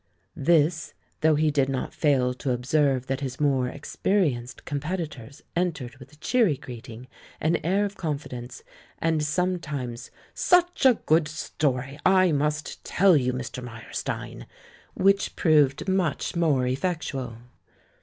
This though he did not fail to observe that his more experienced competitors entered with a cheery greeting, an air of confidence, and sometimes "Such a good story! I must tell you, Mr. Meyerstein !" which proved much more ef fectual.